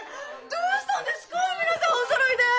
どうしたんですか？